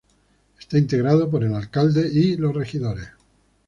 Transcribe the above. Está integrado por el alcalde y los regidores.